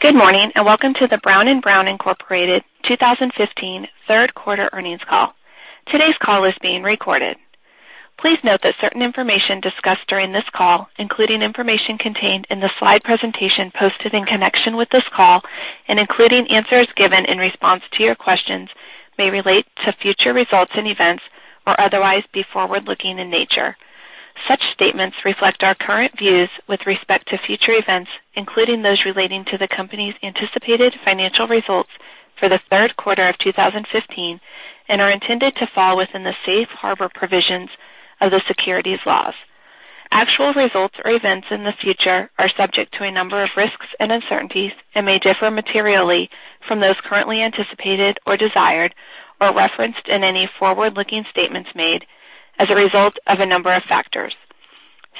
Good morning, and welcome to the Brown & Brown Incorporated 2015 third quarter earnings call. Today's call is being recorded. Please note that certain information discussed during this call, including information contained in the slide presentation posted in connection with this call and including answers given in response to your questions, may relate to future results and events or otherwise be forward-looking in nature. Such statements reflect our current views with respect to future events, including those relating to the company's anticipated financial results for the third quarter of 2015, and are intended to fall within the safe harbor provisions of the securities laws. Actual results or events in the future are subject to a number of risks and uncertainties and may differ materially from those currently anticipated or desired, or referenced in any forward-looking statements made, as a result of a number of factors.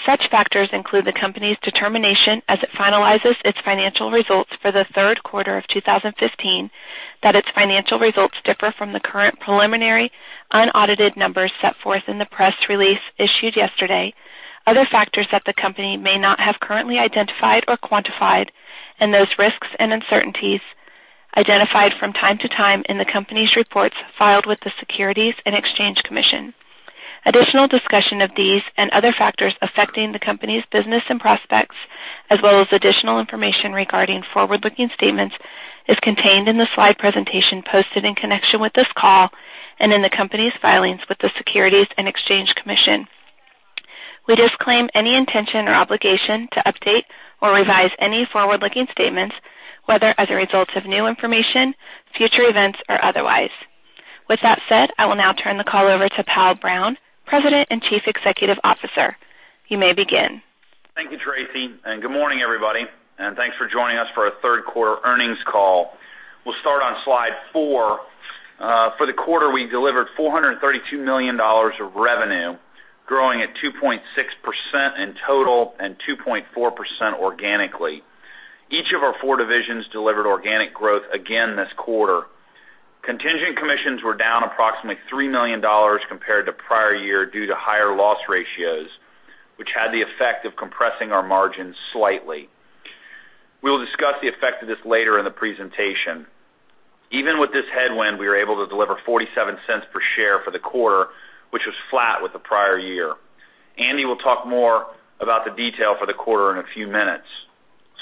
Such factors include the company's determination as it finalizes its financial results for the third quarter of 2015 that its financial results differ from the current preliminary, unaudited numbers set forth in the press release issued yesterday, other factors that the company may not have currently identified or quantified, and those risks and uncertainties identified from time to time in the company's reports filed with the Securities and Exchange Commission. Additional discussion of these and other factors affecting the company's business and prospects, as well as additional information regarding forward-looking statements, is contained in the slide presentation posted in connection with this call and in the company's filings with the Securities and Exchange Commission. We disclaim any intention or obligation to update or revise any forward-looking statements, whether as a result of new information, future events, or otherwise. With that said, I will now turn the call over to Powell Brown, President and Chief Executive Officer. You may begin. Thank you, Tracy, and good morning, everybody, and thanks for joining us for our third quarter earnings call. We'll start on slide four. For the quarter, we delivered $432 million of revenue, growing at 2.6% in total and 2.4% organically. Each of our four divisions delivered organic growth again this quarter. Contingent commissions were down approximately $3 million compared to prior year due to higher loss ratios, which had the effect of compressing our margins slightly. We'll discuss the effect of this later in the presentation. Even with this headwind, we were able to deliver $0.47 per share for the quarter, which was flat with the prior year. Andy will talk more about the detail for the quarter in a few minutes.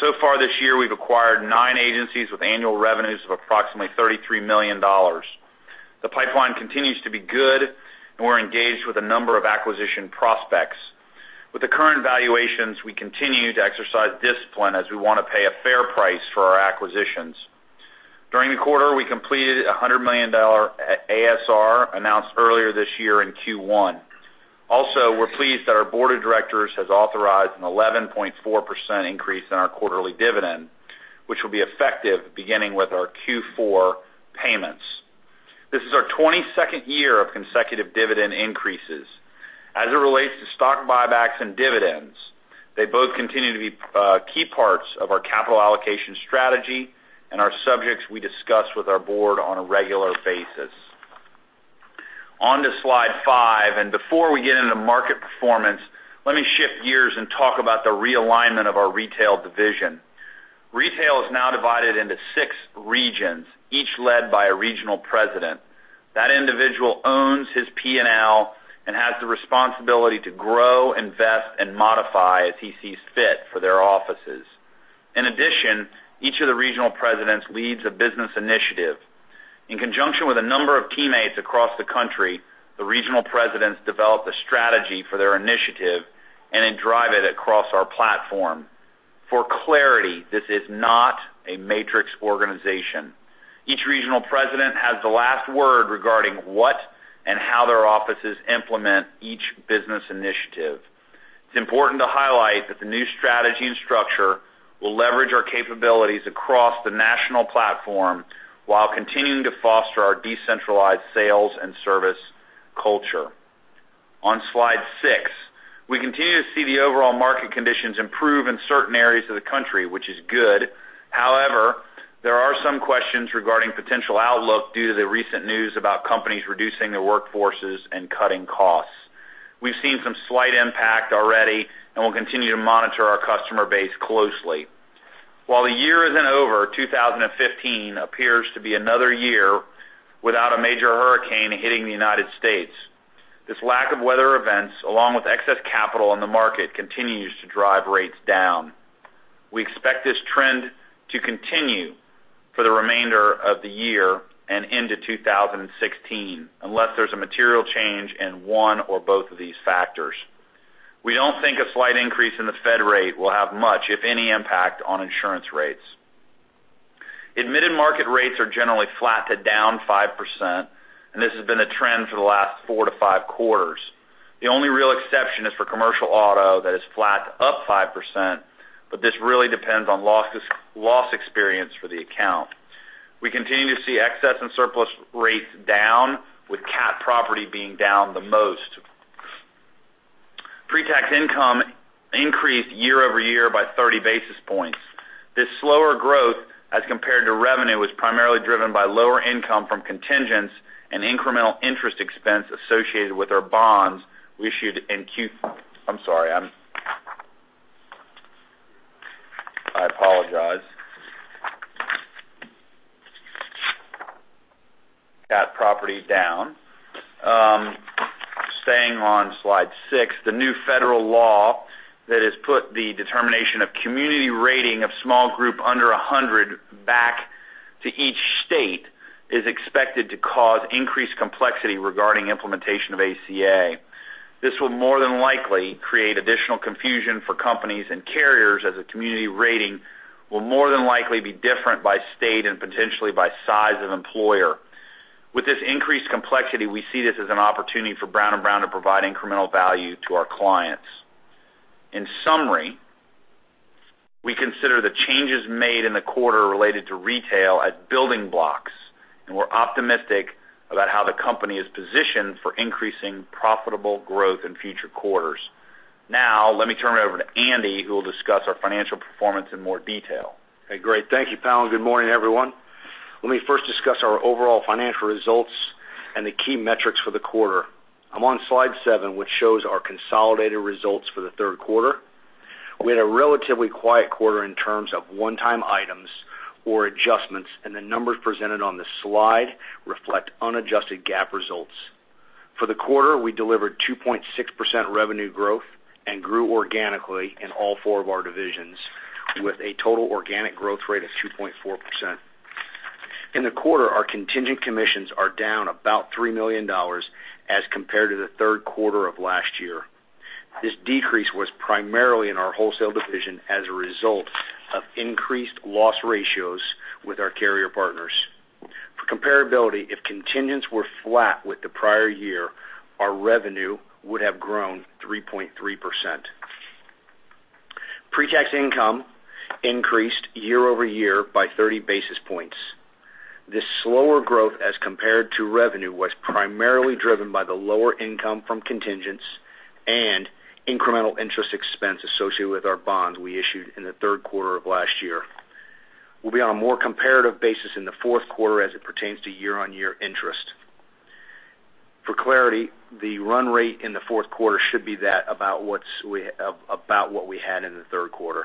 So far this year, we've acquired nine agencies with annual revenues of approximately $33 million. The pipeline continues to be good, we're engaged with a number of acquisition prospects. With the current valuations, we continue to exercise discipline as we want to pay a fair price for our acquisitions. During the quarter, we completed a $100 million ASR announced earlier this year in Q1. We're pleased that our board of directors has authorized an 11.4% increase in our quarterly dividend, which will be effective beginning with our Q4 payments. This is our 22nd year of consecutive dividend increases. As it relates to stock buybacks and dividends, they both continue to be key parts of our capital allocation strategy and are subjects we discuss with our board on a regular basis. On to slide five, before we get into market performance, let me shift gears and talk about the realignment of our retail division. Retail is now divided into six regions, each led by a regional president. That individual owns his P&L and has the responsibility to grow, invest, and modify as he sees fit for their offices. In addition, each of the regional presidents leads a business initiative. In conjunction with a number of teammates across the country, the regional presidents develop a strategy for their initiative and then drive it across our platform. For clarity, this is not a matrix organization. Each regional president has the last word regarding what and how their offices implement each business initiative. It's important to highlight that the new strategy and structure will leverage our capabilities across the national platform while continuing to foster our decentralized sales and service culture. On slide six, we continue to see the overall market conditions improve in certain areas of the country, which is good. There are some questions regarding potential outlook due to the recent news about companies reducing their workforces and cutting costs. We've seen some slight impact already, and we'll continue to monitor our customer base closely. While the year isn't over, 2015 appears to be another year without a major hurricane hitting the U.S. This lack of weather events, along with excess capital in the market, continues to drive rates down. We expect this trend to continue for the remainder of the year and into 2016, unless there's a material change in one or both of these factors. We don't think a slight increase in the Fed rate will have much, if any, impact on insurance rates. Admitted market rates are generally flat to down 5%, and this has been a trend for the last four to five quarters. The only real exception is for commercial auto that is flat to up 5%, this really depends on loss experience for the account. We continue to see excess and surplus rates down, with cat property being down the most. Pre-tax income increased year-over-year by 30 basis points. This slower growth as compared to revenue was primarily driven by lower income from contingents and incremental interest expense associated with our bonds we issued in Q. I am sorry I apologize that property down. Staying on slide six, the new federal law that has put the determination of community rating of small group under 100 back to each state is expected to cause increased complexity regarding implementation of ACA. This will more than likely create additional confusion for companies and carriers, as a community rating will more than likely be different by state and potentially by size of employer. With this increased complexity, we see this as an opportunity for Brown & Brown to provide incremental value to our clients. In summary, we consider the changes made in the quarter related to retail as building blocks, and we're optimistic about how the company is positioned for increasing profitable growth in future quarters. Let me turn it over to Andy, who will discuss our financial performance in more detail. Okay, great. Thank you, Powell. Good morning, everyone. Let me first discuss our overall financial results and the key metrics for the quarter. I'm on slide seven, which shows our consolidated results for the third quarter. We had a relatively quiet quarter in terms of one-time items or adjustments, and the numbers presented on this slide reflect unadjusted GAAP results. For the quarter, we delivered 2.6% revenue growth and grew organically in all four of our divisions with a total organic growth rate of 2.4%. In the quarter, our contingent commissions are down about $3 million as compared to the third quarter of last year. This decrease was primarily in our wholesale division as a result of increased loss ratios with our carrier partners. For comparability, if contingents were flat with the prior year, our revenue would have grown 3.3%. Pre-tax income increased year-over-year by 30 basis points. This slower growth as compared to revenue was primarily driven by the lower income from contingents and incremental interest expense associated with our bonds we issued in the third quarter of last year. We'll be on a more comparative basis in the fourth quarter as it pertains to year-over-year interest. For clarity, the run rate in the fourth quarter should be that about what we had in the third quarter.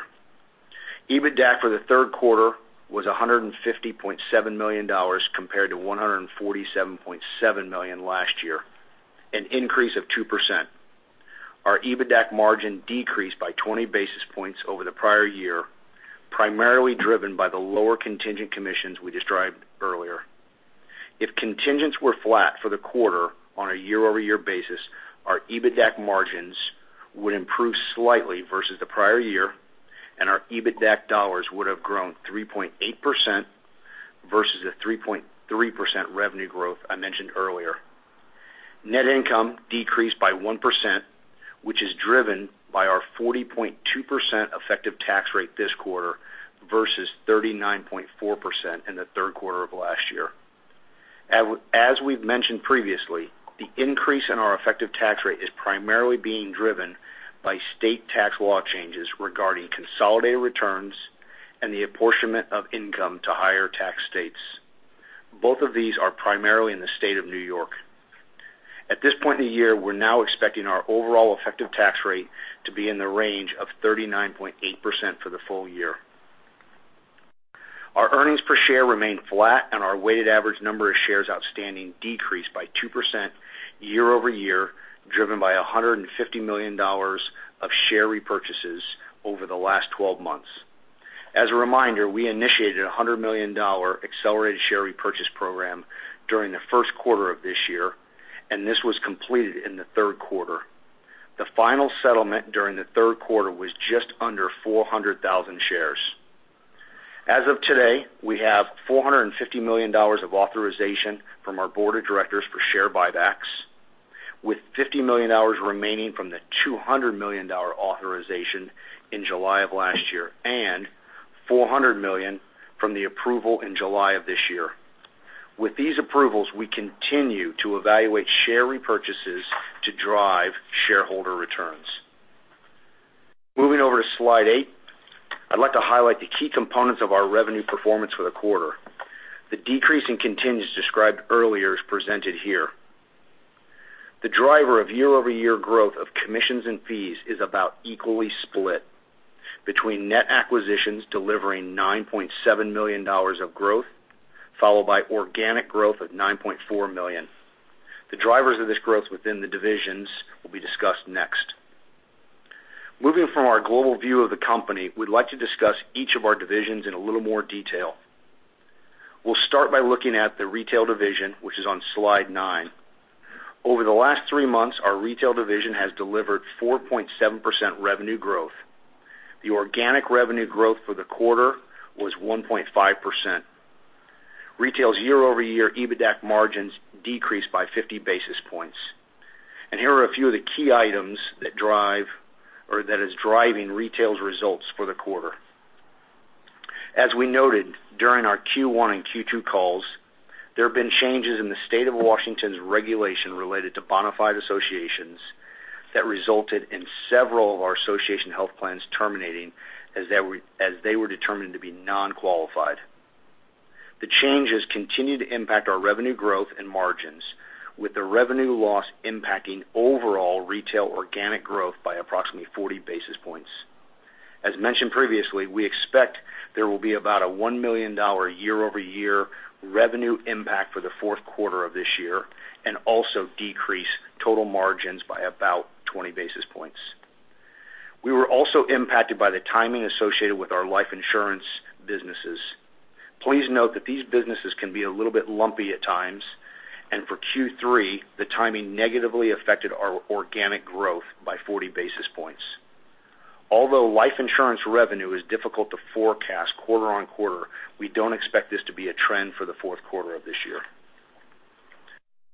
EBITDA for the third quarter was $150.7 million, compared to $147.7 million last year, an increase of 2%. Our EBITDA margin decreased by 20 basis points over the prior year, primarily driven by the lower contingent commissions we described earlier. If contingents were flat for the quarter on a year-over-year basis, our EBITDA margins would improve slightly versus the prior year, and our EBITDA dollars would have grown 3.8% versus the 3.3% revenue growth I mentioned earlier. Net income decreased by 1%, which is driven by our 40.2% effective tax rate this quarter versus 39.4% in the third quarter of last year. We've mentioned previously, the increase in our effective tax rate is primarily being driven by state tax law changes regarding consolidated returns and the apportionment of income to higher tax states. Both of these are primarily in the state of New York. At this point in the year, we're now expecting our overall effective tax rate to be in the range of 39.8% for the full year. Our earnings per share remained flat, and our weighted average number of shares outstanding decreased by 2% year-over-year, driven by $150 million of share repurchases over the last 12 months. As a reminder, we initiated a $100 million accelerated share repurchase program during the first quarter of this year. This was completed in the third quarter. The final settlement during the third quarter was just under 400,000 shares. As of today, we have $450 million of authorization from our board of directors for share buybacks, with $50 million remaining from the $200 million authorization in July of last year and $400 million from the approval in July of this year. With these approvals, we continue to evaluate share repurchases to drive shareholder returns. Moving over to slide eight, I'd like to highlight the key components of our revenue performance for the quarter. The decrease in contingents described earlier is presented here. The driver of year-over-year growth of commissions and fees is about equally split between net acquisitions delivering $9.7 million of growth, followed by organic growth of $9.4 million. The drivers of this growth within the divisions will be discussed next. Moving from our global view of the company, we'd like to discuss each of our divisions in a little more detail. We'll start by looking at the retail division, which is on slide nine. Over the last three months, our retail division has delivered 4.7% revenue growth. The organic revenue growth for the quarter was 1.5%. Retail's year-over-year EBITDA margins decreased by 50 basis points. Here are a few of the key items that is driving retail's results for the quarter. As we noted during our Q1 and Q2 calls, there have been changes in the State of Washington's regulation related to bona fide associations that resulted in several of our association health plans terminating as they were determined to be non-qualified. The changes continue to impact our revenue growth and margins, with the revenue loss impacting overall retail organic growth by approximately 40 basis points. As mentioned previously, we expect there will be about a $1 million year-over-year revenue impact for the fourth quarter of this year. Also decrease total margins by about 20 basis points. We were also impacted by the timing associated with our life insurance businesses. Please note that these businesses can be a little bit lumpy at times. For Q3, the timing negatively affected our organic growth by 40 basis points. Although life insurance revenue is difficult to forecast quarter on quarter, we don't expect this to be a trend for the fourth quarter of this year.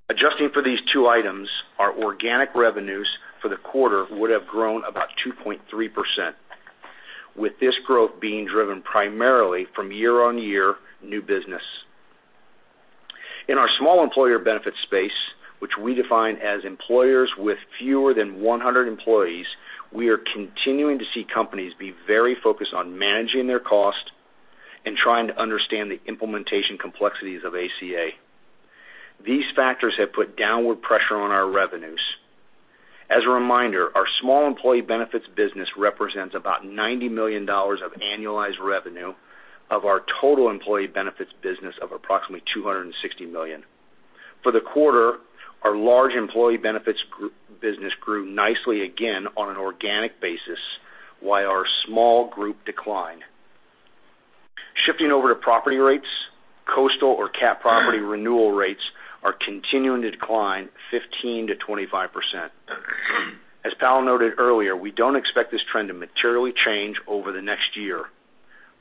Adjusting for these two items, our organic revenues for the quarter would have grown about 2.3%, with this growth being driven primarily from year-on-year new business. In our small employer benefits space, which we define as employers with fewer than 100 employees, we are continuing to see companies be very focused on managing their cost and trying to understand the implementation complexities of ACA. These factors have put downward pressure on our revenues. As a reminder, our small employee benefits business represents about $90 million of annualized revenue of our total employee benefits business of approximately $260 million. For the quarter, our large employee benefits group business grew nicely again on an organic basis, while our small group declined. Shifting over to property rates, coastal or cat property renewal rates are continuing to decline 15%-25%. As Powell noted earlier, we don't expect this trend to materially change over the next year.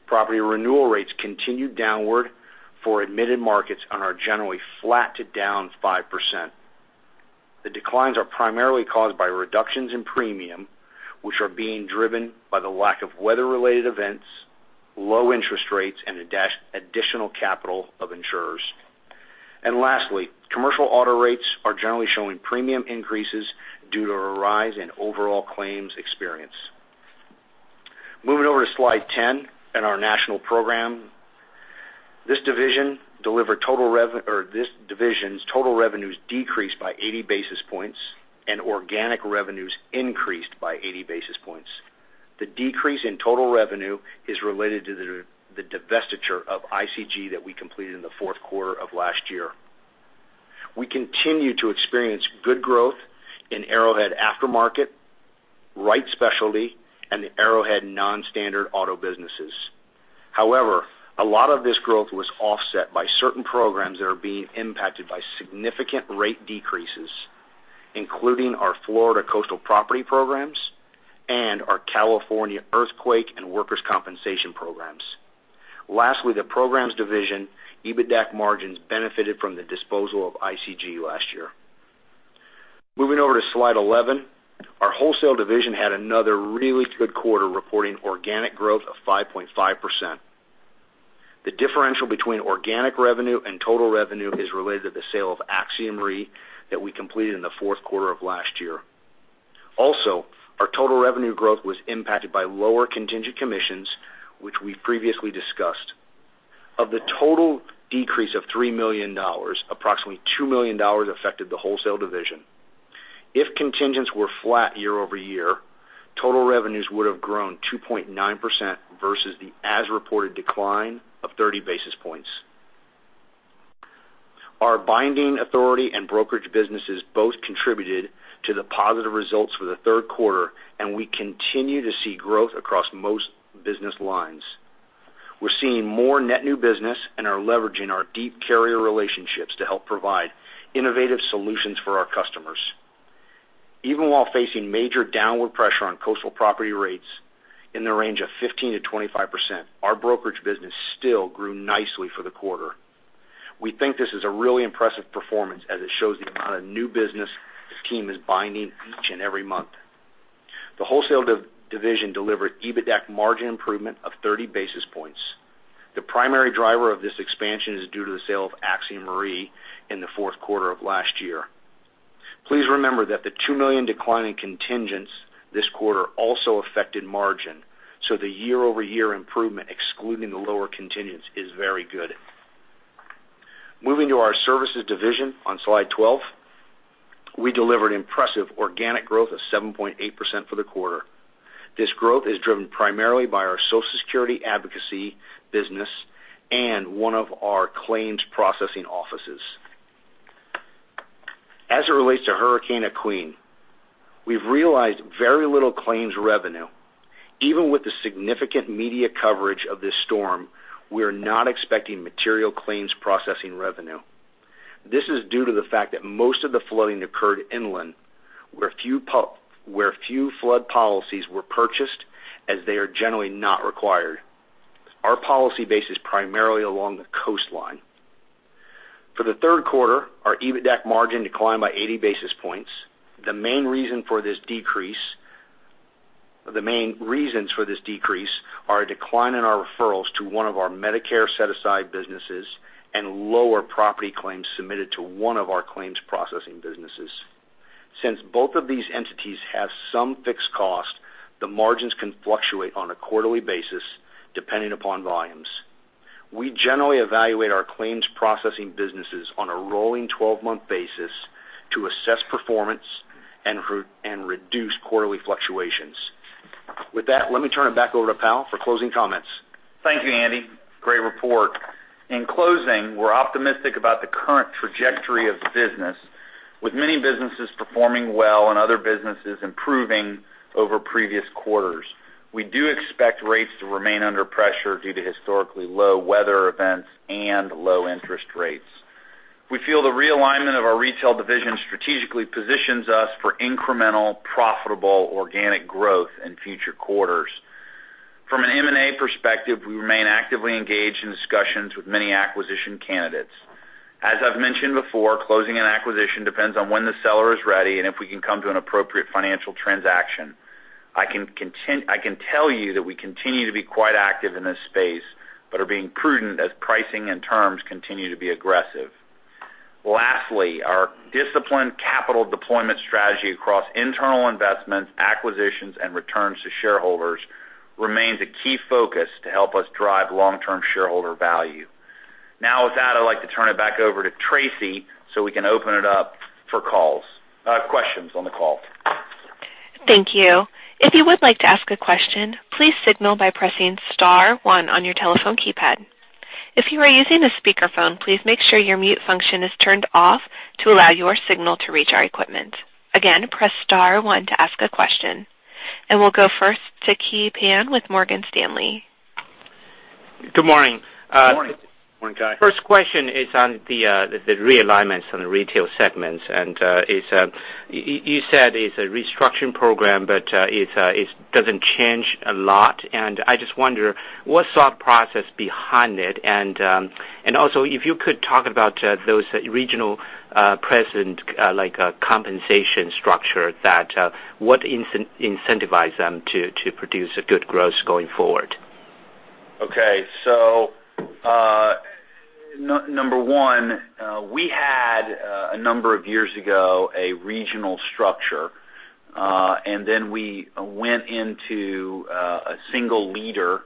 Property renewal rates continue downward for admitted markets and are generally flat to down 5%. The declines are primarily caused by reductions in premium, which are being driven by the lack of weather-related events, low interest rates, and additional capital of insurers. Lastly, commercial auto rates are generally showing premium increases due to a rise in overall claims experience. Moving over to slide 10 and our National Program. This division's total revenues decreased by 80 basis points. Organic revenues increased by 80 basis points. The decrease in total revenue is related to the divestiture of ICG that we completed in the fourth quarter of last year. We continue to experience good growth in Arrowhead Aftermarket, Wright Specialty, and the Arrowhead Non-Standard Auto businesses. A lot of this growth was offset by certain programs that are being impacted by significant rate decreases, including our Florida coastal property programs and our California earthquake and workers' compensation programs. Lastly, the programs division, EBITDA margins benefited from the disposal of ICG last year. Moving over to slide 11. Our wholesale division had another really good quarter, reporting organic growth of 5.5%. The differential between organic revenue and total revenue is related to the sale of Axiom Re that we completed in the fourth quarter of last year. Our total revenue growth was impacted by lower contingent commissions, which we've previously discussed. Of the total decrease of $3 million, approximately $2 million affected the wholesale division. If contingents were flat year-over-year, total revenues would have grown 2.9% versus the as-reported decline of 30 basis points. Our binding authority and brokerage businesses both contributed to the positive results for the third quarter. We continue to see growth across most business lines. We're seeing more net new business and are leveraging our deep carrier relationships to help provide innovative solutions for our customers. Even while facing major downward pressure on coastal property rates in the range of 15%-25%, our brokerage business still grew nicely for the quarter. We think this is a really impressive performance as it shows the amount of new business this team is binding each and every month. The wholesale division delivered EBITDA margin improvement of 30 basis points. The primary driver of this expansion is due to the sale of Axiom Re in the fourth quarter of last year. Please remember that the $2 million decline in contingents this quarter also affected margin. The year-over-year improvement, excluding the lower contingents, is very good. Moving to our services division on slide 12. We delivered impressive organic growth of 7.8% for the quarter. This growth is driven primarily by our Social Security Advocacy business and one of our claims processing offices. As it relates to Hurricane Joaquin, we've realized very little claims revenue. Even with the significant media coverage of this storm, we are not expecting material claims processing revenue. This is due to the fact that most of the flooding occurred inland, where few flood policies were purchased as they are generally not required. Our policy base is primarily along the coastline. For the third quarter, our EBITDA margin declined by 80 basis points. The main reasons for this decrease are a decline in our referrals to one of our Medicare set-aside businesses and lower property claims submitted to one of our claims processing businesses. Both of these entities have some fixed cost. The margins can fluctuate on a quarterly basis depending upon volumes. We generally evaluate our claims processing businesses on a rolling 12-month basis to assess performance and reduce quarterly fluctuations. With that, let me turn it back over to Powell for closing comments. Thank you, Andy. Great report. In closing, we're optimistic about the current trajectory of the business, with many businesses performing well and other businesses improving over previous quarters. We do expect rates to remain under pressure due to historically low weather events and low interest rates. We feel the realignment of our retail division strategically positions us for incremental, profitable, organic growth in future quarters. From an M&A perspective, we remain actively engaged in discussions with many acquisition candidates. As I've mentioned before, closing an acquisition depends on when the seller is ready and if we can come to an appropriate financial transaction. I can tell you that we continue to be quite active in this space, but are being prudent as pricing and terms continue to be aggressive. Lastly, our disciplined capital deployment strategy across internal investments, acquisitions, and returns to shareholders remains a key focus to help us drive long-term shareholder value. With that, I'd like to turn it back over to Tracy, so we can open it up for questions on the call. Thank you. If you would like to ask a question, please signal by pressing *1 on your telephone keypad. If you are using a speakerphone, please make sure your mute function is turned off to allow your signal to reach our equipment. Again, press *1 to ask a question. We'll go first to Kai Pan with Morgan Stanley. Good morning. Good morning. Morning, Kai. First question is on the realignments on the retail segments. You said it's a restructuring program, but it doesn't change a lot. I just wonder what's the process behind it? Also, if you could talk about those regional president compensation structure, what incentivize them to produce a good growth going forward? Number one, we had a number of years ago, a regional structure. We went into a single leader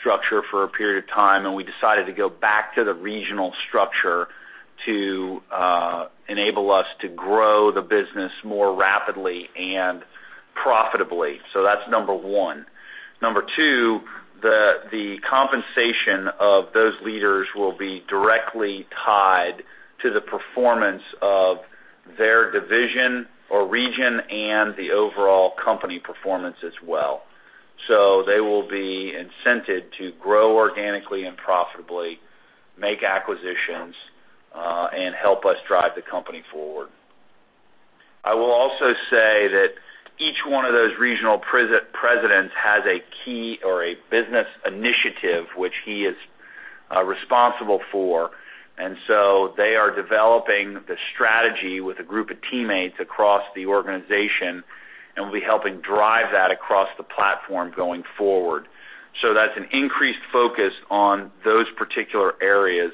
structure for a period of time, and we decided to go back to the regional structure to enable us to grow the business more rapidly and profitably. That's number one. Number two, the compensation of those leaders will be directly tied to the performance of their division or region and the overall company performance as well. They will be incented to grow organically and profitably, make acquisitions, and help us drive the company forward. I will also say that each one of those regional presidents has a key or a business initiative which he is responsible for. They are developing the strategy with a group of teammates across the organization and will be helping drive that across the platform going forward. That's an increased focus on those particular areas,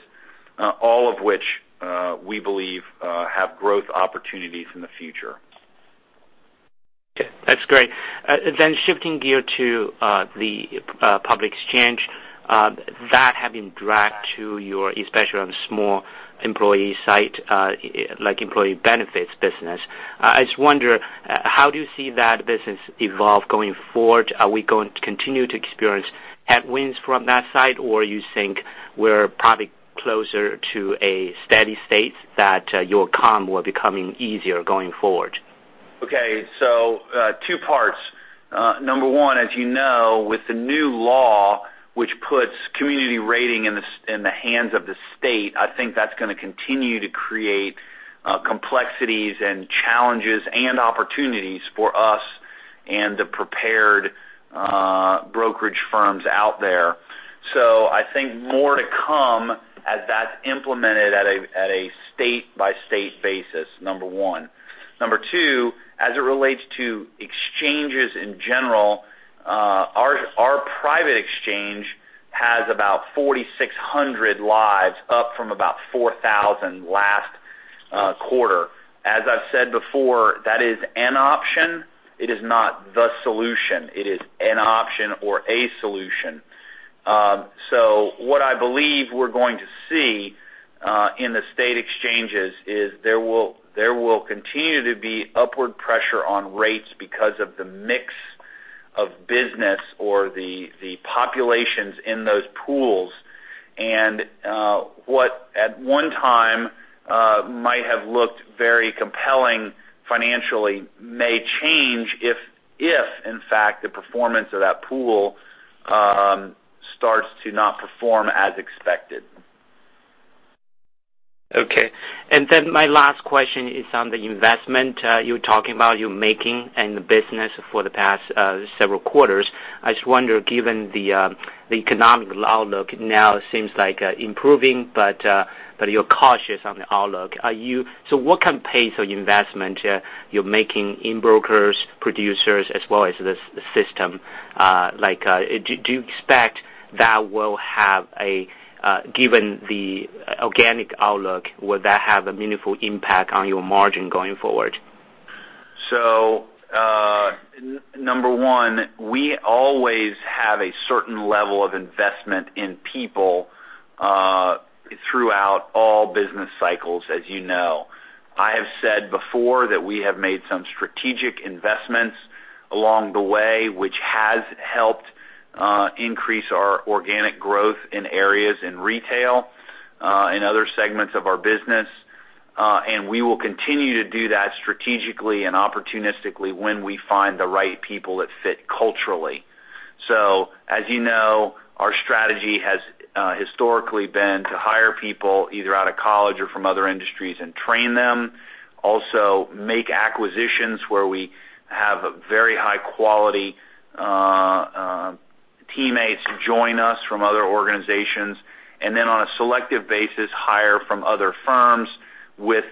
all of which, we believe, have growth opportunities in the future. That's great. Shifting gear to the public exchange, that have been dragged to your, especially on small employer side, like employee benefits business. I just wonder, how do you see that business evolve going forward? Are we going to continue to experience headwinds from that side? You think we're probably closer to a steady state that your comps will be coming easier going forward? Two parts. Number one, as you know, with the new law, which puts community rating in the hands of the state, I think that's going to continue to create complexities and challenges and opportunities for us and the prepared brokerage firms out there. I think more to come as that's implemented at a state-by-state basis, number one. Number two, as it relates to exchanges in general, our private exchange has about 4,600 lives, up from about 4,000 last quarter. As I've said before, that is an option. It is not the solution. It is an option or a solution. What I believe we're going to see in the state exchanges is there will continue to be upward pressure on rates because of the mix of business or the populations in those pools. What at one time might have looked very compelling financially may change if, in fact, the performance of that pool starts to not perform as expected. Okay. My last question is on the investment you're talking about you making in the business for the past several quarters. I just wonder, given the economic outlook now seems like improving, but you're cautious on the outlook. What kind of pace of investment you're making in brokers, producers, as well as the system? Do you expect that, given the organic outlook, will that have a meaningful impact on your margin going forward? Number one, we always have a certain level of investment in people throughout all business cycles, as you know. I have said before that we have made some strategic investments along the way, which has helped increase our organic growth in areas in retail and other segments of our business. We will continue to do that strategically and opportunistically when we find the right people that fit culturally. As you know, our strategy has historically been to hire people either out of college or from other industries and train them. Also make acquisitions where we have very high-quality teammates join us from other organizations, and then on a selective basis, hire from other firms with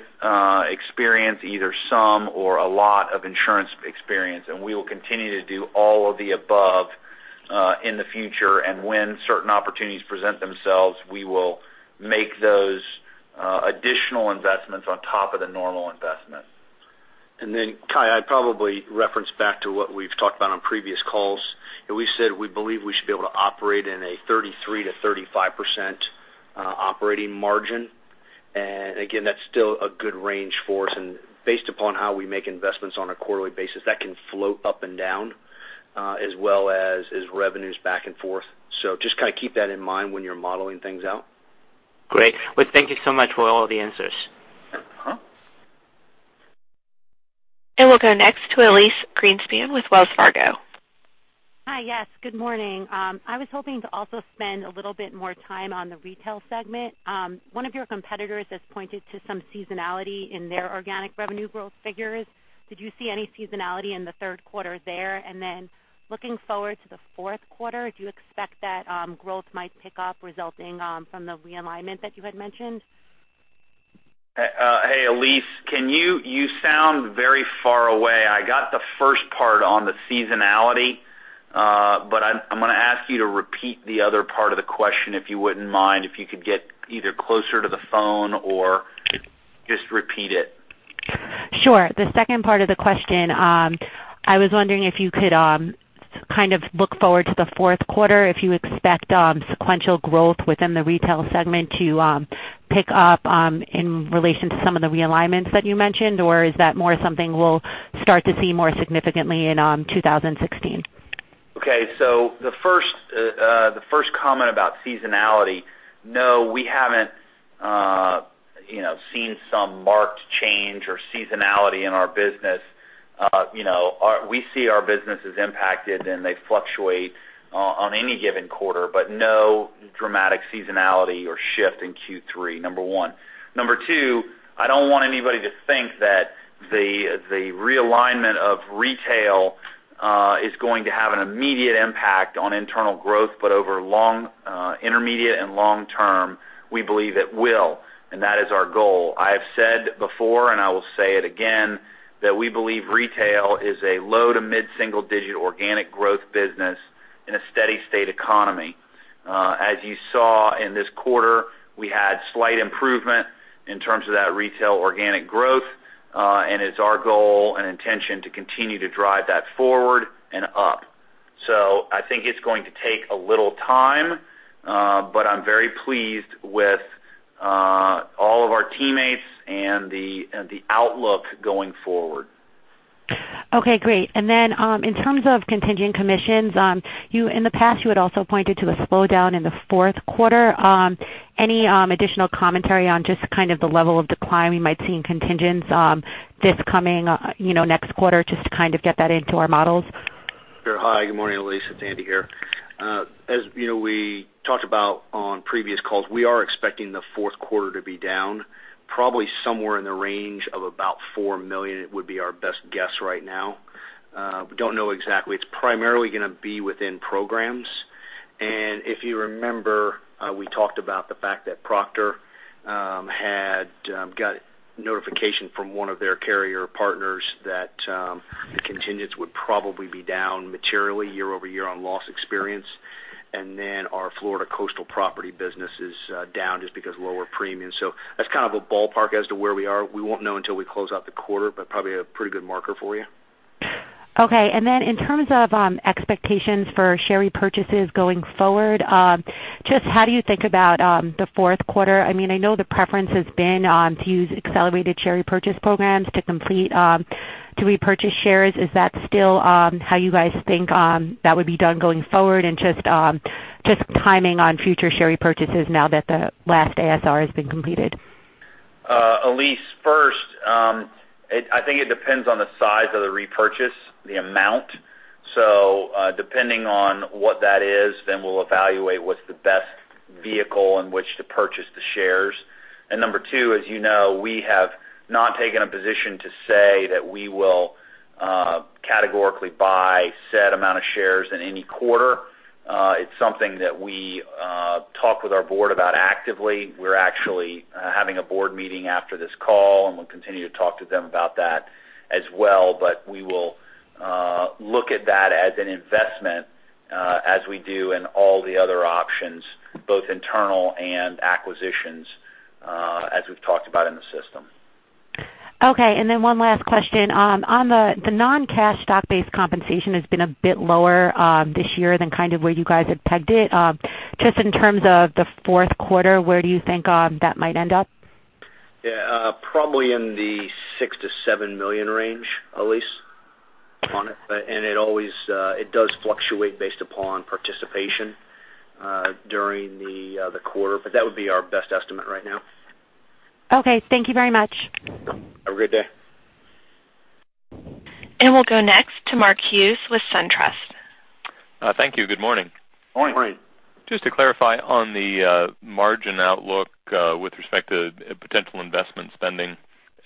experience, either some or a lot of insurance experience. We will continue to do all of the above in the future. When certain opportunities present themselves, we will make those additional investments on top of the normal investment. Kai, I'd probably reference back to what we've talked about on previous calls. We said we believe we should be able to operate in a 33%-35% operating margin. Again, that's still a good range for us. Based upon how we make investments on a quarterly basis, that can float up and down as well as revenues back and forth. Just kind of keep that in mind when you're modeling things out. Great. Thank you so much for all the answers. We'll go next to Elyse Greenspan with Wells Fargo. Hi. Good morning. I was hoping to also spend a little bit more time on the retail segment. One of your competitors has pointed to some seasonality in their organic revenue growth figures. Did you see any seasonality in the third quarter there? Looking forward to the fourth quarter, do you expect that growth might pick up resulting from the realignment that you had mentioned? Hey, Elyse, you sound very far away. I got the first part on the seasonality, I'm going to ask you to repeat the other part of the question, if you wouldn't mind. If you could get either closer to the phone or just repeat it. Sure. The second part of the question, I was wondering if you could kind of look forward to the fourth quarter, if you expect sequential growth within the retail segment to pick up in relation to some of the realignments that you mentioned, or is that more something we'll start to see more significantly in 2016? Okay. The first comment about seasonality, no, we haven't seen some marked change or seasonality in our business. We see our businesses impacted, and they fluctuate on any given quarter, but no dramatic seasonality or shift in Q3, number one. Number two, I don't want anybody to think that the realignment of retail is going to have an immediate impact on internal growth, over intermediate and long term, we believe it will, and that is our goal. I have said before, I will say it again, that we believe retail is a low to mid-single-digit organic growth business in a steady state economy. As you saw in this quarter, we had slight improvement in terms of that retail organic growth, it's our goal and intention to continue to drive that forward and up. I think it's going to take a little time, I'm very pleased with all of our teammates and the outlook going forward. Okay, great. In terms of contingent commissions, in the past, you had also pointed to a slowdown in the fourth quarter. Any additional commentary on just kind of the level of decline we might see in contingents this coming next quarter, just to kind of get that into our models? Sure. Hi, good morning, Elyse. It's Andy here. As we talked about on previous calls, we are expecting the fourth quarter to be down probably somewhere in the range of about $4 million. It would be our best guess right now. We don't know exactly. It's primarily going to be within programs. If you remember, we talked about the fact that Proctor had got notification from one of their carrier partners that the contingents would probably be down materially year-over-year on loss experience. Then our Florida Central property business is down just because of lower premiums. That's kind of a ballpark as to where we are. We won't know until we close out the quarter, but probably a pretty good marker for you. Okay. Then in terms of expectations for share repurchases going forward, just how do you think about the fourth quarter? I know the preference has been to use accelerated share repurchase programs to complete to repurchase shares. Is that still how you guys think that would be done going forward? Just timing on future share repurchases now that the last ASR has been completed. Elyse, first, I think it depends on the size of the repurchase, the amount. Depending on what that is, then we'll evaluate what's the best vehicle in which to purchase the shares. Number two, as you know, we have not taken a position to say that we will categorically buy a set amount of shares in any quarter. It's something that we talk with our board about actively. We're actually having a board meeting after this call, and we'll continue to talk to them about that as well. We will look at that as an investment as we do in all the other options, both internal and acquisitions, as we've talked about in the system. Okay, one last question. On the non-cash stock-based compensation has been a bit lower this year than where you guys had pegged it. Just in terms of the fourth quarter, where do you think that might end up? Yeah. Probably in the $6 million-$7 million range, Elyse, on it. It does fluctuate based upon participation during the quarter, but that would be our best estimate right now. Okay. Thank you very much. Have a good day. We'll go next to Mark Hughes with SunTrust. Thank you. Good morning. Morning. Morning. Just to clarify on the margin outlook with respect to potential investment spending.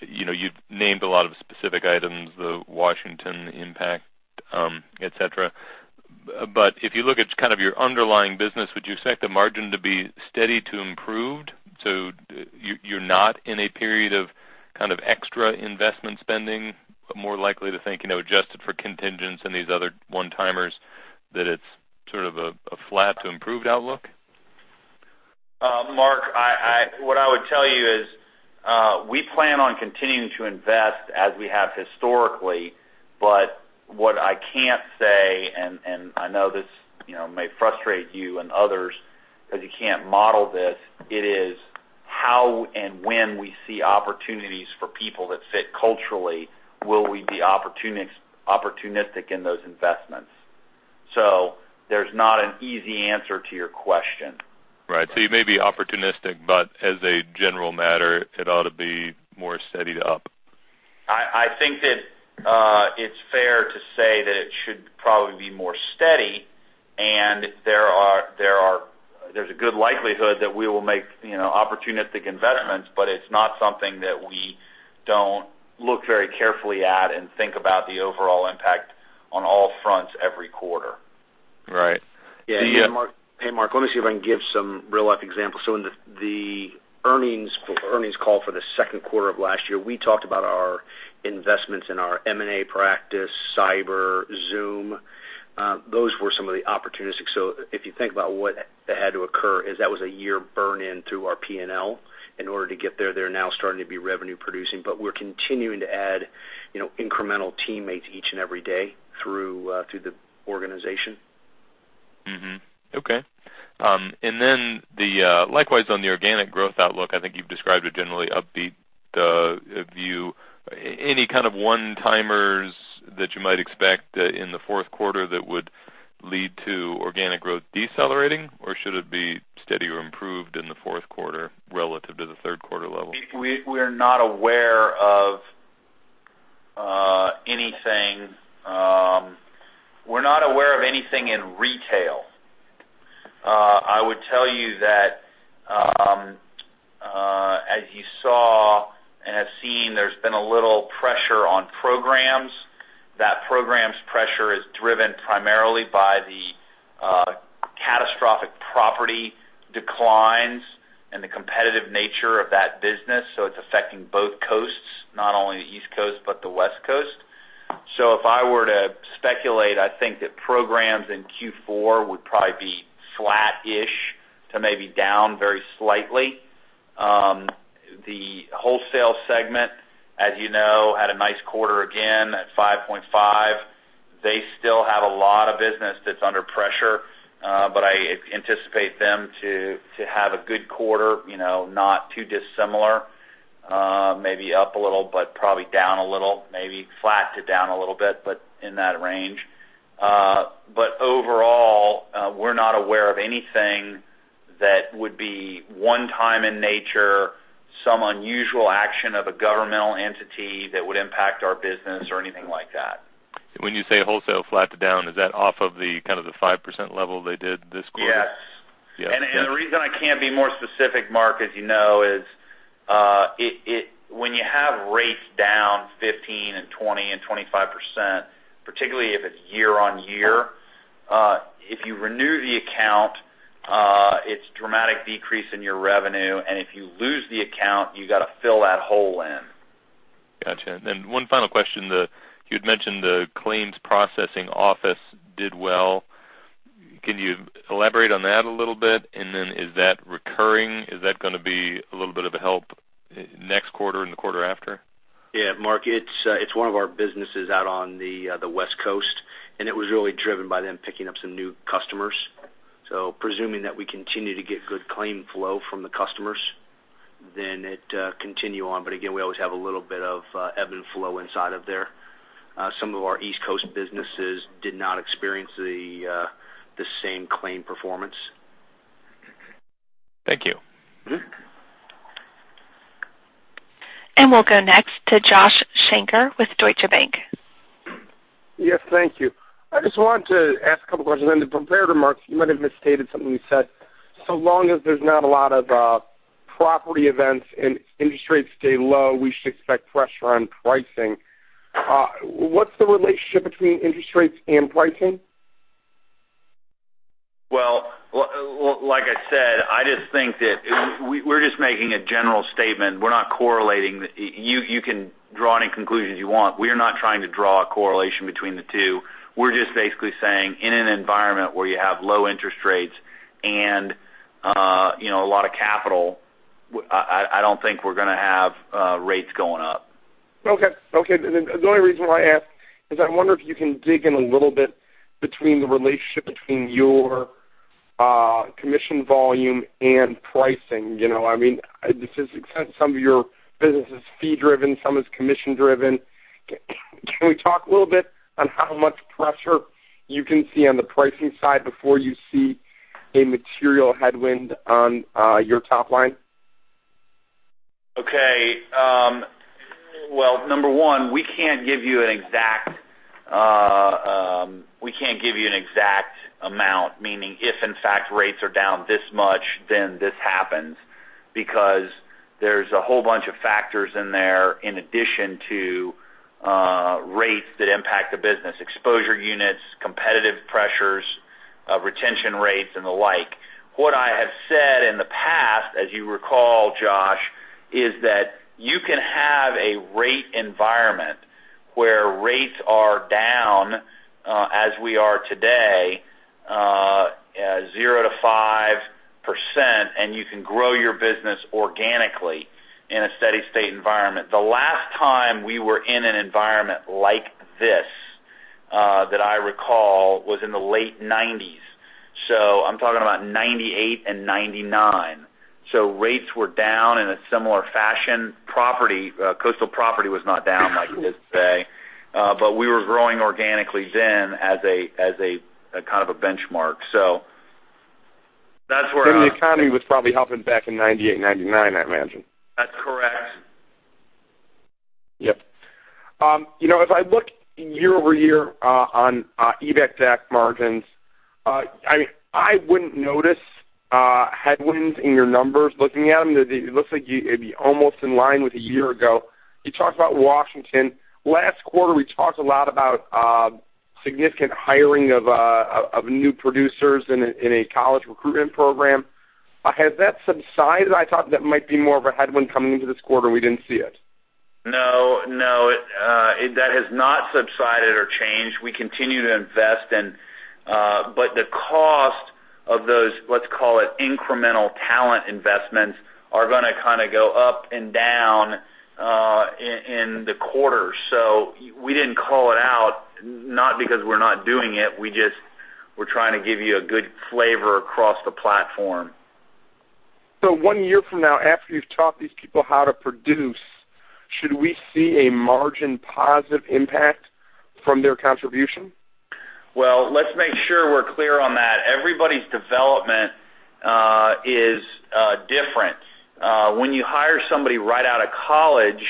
You've named a lot of specific items, the Washington impact, et cetera. If you look at kind of your underlying business, would you expect the margin to be steady to improved? You're not in a period of extra investment spending, but more likely to think, adjusted for contingents and these other one-timers, that it's sort of a flat to improved outlook? Mark, what I would tell you is, we plan on continuing to invest as we have historically, but what I can't say, and I know this may frustrate you and others because you can't model this, it is how and when we see opportunities for people that fit culturally, will we be opportunistic in those investments. There's not an easy answer to your question. You may be opportunistic, but as a general matter, it ought to be more steady to up. I think that it's fair to say that it should probably be more steady, and there's a good likelihood that we will make opportunistic investments, but it's not something that we don't look very carefully at and think about the overall impact on all fronts every quarter. Right. Yeah. Mark, let me see if I can give some real-life examples. In the earnings call for the second quarter of last year, we talked about our investments in our M&A practice, cyber, Zoom. Those were some of the opportunistic. If you think about what had to occur, is that was a year burn in through our P&L in order to get there. They're now starting to be revenue producing, but we're continuing to add incremental teammates each and every day through the organization. Mm-hmm. Okay. Likewise on the organic growth outlook, I think you've described a generally upbeat view. Any kind of one-timers that you might expect in the fourth quarter that would lead to organic growth decelerating, or should it be steady or improved in the fourth quarter relative to the third quarter level? We're not aware of anything in retail. I would tell you that, as you saw and have seen, there's been a little pressure on programs. That program's pressure is driven primarily by the catastrophic property declines and the competitive nature of that business. It's affecting both coasts, not only the East Coast, but the West Coast. If I were to speculate, I think that programs in Q4 would probably be flat-ish to maybe down very slightly. The wholesale segment, as you know, had a nice quarter again at 5.5%. They still have a lot of business that's under pressure, but I anticipate them to have a good quarter, not too dissimilar. Maybe up a little, but probably down a little, maybe flat to down a little bit, but in that range. Overall, we're not aware of anything that would be one-time in nature, some unusual action of a governmental entity that would impact our business or anything like that. When you say wholesale flat to down, is that off of the 5% level they did this quarter? Yes. Yeah. The reason I can't be more specific, Mark, as you know, is when you have rates down 15% and 20% and 25%, particularly if it's year-on-year, if you renew the account, it's dramatic decrease in your revenue, and if you lose the account, you got to fill that hole in. Got you. One final question. You'd mentioned the claims processing office did well. Can you elaborate on that a little bit? Is that recurring? Is that going to be a little bit of a help next quarter and the quarter after? Yeah. Mark, it's one of our businesses out on the West Coast, it was really driven by them picking up some new customers. Presuming that we continue to get good claim flow from the customers, it continue on. Again, we always have a little bit of ebb and flow inside of there. Some of our East Coast businesses did not experience the same claim performance. Thank you. We'll go next to Joshua Shanker with Deutsche Bank. Yes. Thank you. I just wanted to ask a couple questions. In the prepared remarks, you might have misstated something you said. Long as there's not a lot of property events and interest rates stay low, we should expect pressure on pricing. What's the relationship between interest rates and pricing? Well, like I said, I just think that we're just making a general statement. We're not correlating. You can draw any conclusions you want. We are not trying to draw a correlation between the two. We're just basically saying, in an environment where you have low interest rates and a lot of capital, I don't think we're going to have rates going up. Okay. The only reason why I ask is I wonder if you can dig in a little bit between the relationship between your commission volume and pricing. To the extent some of your business is fee-driven, some is commission-driven, can we talk a little bit on how much pressure you can see on the pricing side before you see a material headwind on your top line? Okay. Well, number one, we can't give you an exact amount, meaning if in fact rates are down this much, then this happens, because there's a whole bunch of factors in there in addition to rates that impact the business, exposure units, competitive pressures, retention rates, and the like. What I have said in the past, as you recall, Josh, is that you can have a rate environment where rates are down, as we are today, 0%-5%, and you can grow your business organically in a steady state environment. The last time we were in an environment like this, that I recall, was in the late '90s. I'm talking about '98 and '99. Rates were down in a similar fashion. Coastal property was not down like it is today. We were growing organically then as a kind of a benchmark. The economy was probably helping back in 1998 and 1999, I imagine. That's correct. Yep. If I look year-over-year on EBITDA margins, I wouldn't notice headwinds in your numbers looking at them. It looks like it'd be almost in line with a year ago. You talked about Washington. Last quarter, we talked a lot about significant hiring of new producers in a college recruitment program. Has that subsided? I thought that might be more of a headwind coming into this quarter. We didn't see it. No. That has not subsided or changed. We continue to invest in, the cost of those, let's call it incremental talent investments, are going to kind of go up and down in the quarters. We didn't call it out, not because we're not doing it. We're trying to give you a good flavor across the platform. One year from now, after you've taught these people how to produce, should we see a margin positive impact from their contribution? Let's make sure we're clear on that. Everybody's development is different. When you hire somebody right out of college,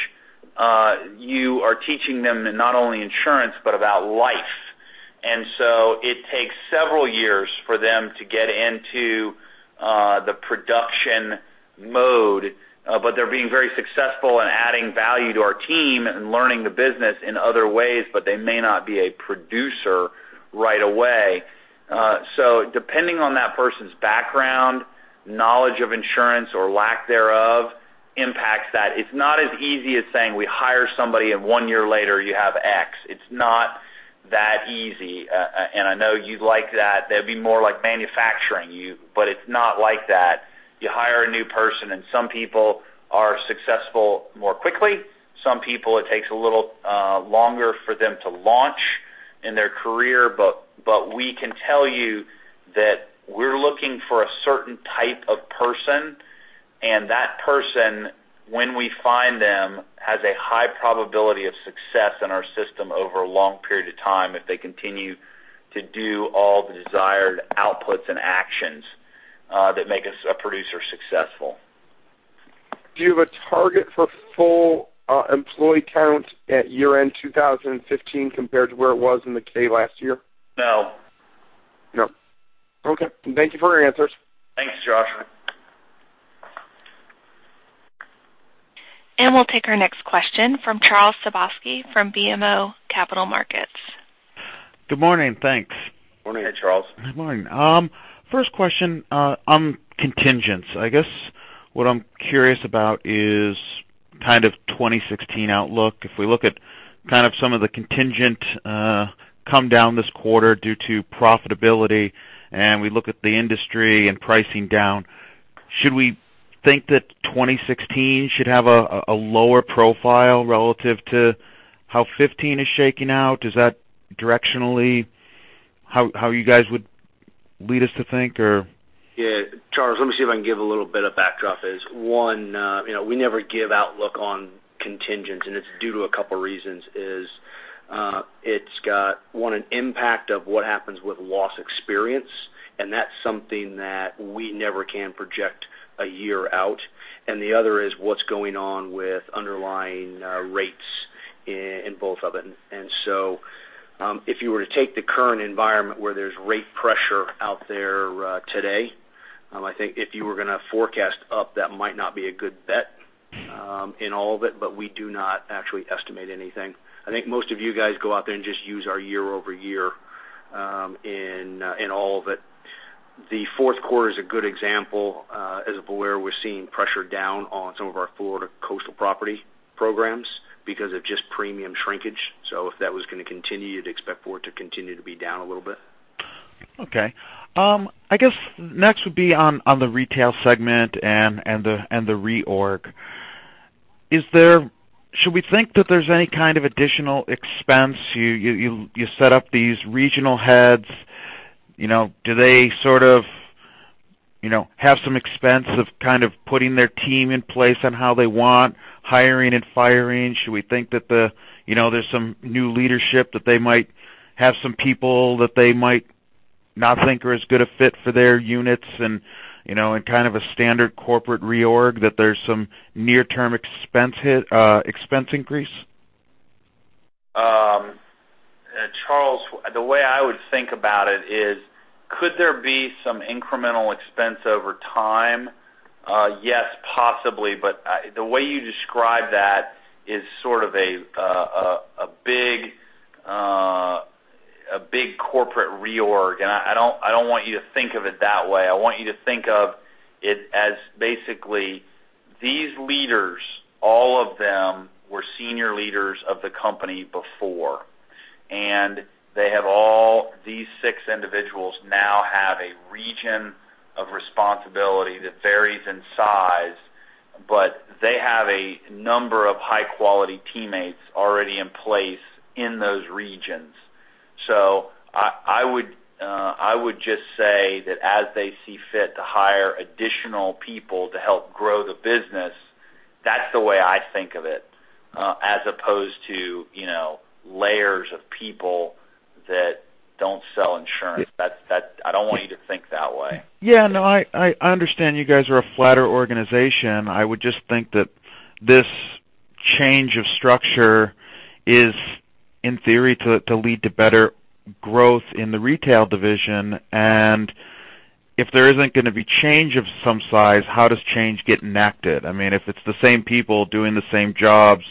you are teaching them not only insurance, but about life. It takes several years for them to get into the production mode. They're being very successful in adding value to our team and learning the business in other ways, but they may not be a producer right away. Depending on that person's background, knowledge of insurance or lack thereof impacts that. It's not as easy as saying we hire somebody and one year later you have X. It's not that easy. I know you'd like that. That'd be more like manufacturing you, but it's not like that. You hire a new person, and some people are successful more quickly. Some people, it takes a little longer for them to launch in their career. We can tell you that we're looking for a certain type of person, and that person, when we find them, has a high probability of success in our system over a long period of time if they continue to do all the desired outputs and actions that make a producer successful. Do you have a target for full employee count at year-end 2015 compared to where it was in the K last year? No. No. Okay. Thank you for your answers. Thanks, Josh. We'll take our next question from Charles Sebaski from BMO Capital Markets. Good morning. Thanks. Morning, Charles. Good morning. First question on contingents. I guess what I'm curious about is kind of 2016 outlook. If we look at kind of some of the contingent come down this quarter due to profitability, and we look at the industry and pricing down, should we think that 2016 should have a lower profile relative to how 2015 is shaking out? Is that directionally how you guys would lead us to think or? Yeah. Charles, let me see if I can give a little bit of backdrop is, one, we never give outlook on contingents, and it's due to a couple reasons is, it's got, one, an impact of what happens with loss experience, and that's something that we never can project a year out. The other is what's going on with underlying rates in both of it. If you were to take the current environment where there's rate pressure out there today, I think if you were going to forecast up, that might not be a good bet. In all of it, we do not actually estimate anything. I think most of you guys go out there and just use our year-over-year in all of it. The fourth quarter is a good example. As of late, we're seeing pressure down on some of our Florida coastal property programs because of just premium shrinkage. If that was going to continue, you'd expect for it to continue to be down a little bit. Okay. I guess next would be on the retail segment and the reorg. Should we think that there's any kind of additional expense? You set up these regional heads. Do they sort of have some expense of kind of putting their team in place on how they want, hiring and firing? Should we think that there's some new leadership, that they might have some people that they might not think are as good a fit for their units, and kind of a standard corporate reorg, that there's some near-term expense increase? Charles, the way I would think about it is, could there be some incremental expense over time? Yes, possibly. The way you describe that is sort of a big corporate reorg, and I don't want you to think of it that way. I want you to think of it as basically these leaders, all of them were senior leaders of the company before, and these six individuals now have a region of responsibility that varies in size, but they have a number of high-quality teammates already in place in those regions. I would just say that as they see fit to hire additional people to help grow the business, that's the way I think of it as opposed to layers of people that don't sell insurance. I don't want you to think that way. Yeah, no, I understand you guys are a flatter organization. I would just think that this change of structure is, in theory, to lead to better growth in the retail division. If there isn't going to be change of some size, how does change get enacted? If it's the same people doing the same jobs